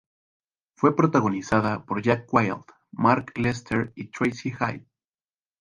Fue protagonizada por Jack Wild, Mark Lester y Tracy Hyde.